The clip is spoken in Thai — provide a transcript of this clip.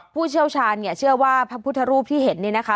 ผู้เชี่ยวชาญเนี่ยเชื่อว่าพระพุทธรูปที่เห็นนี่นะคะ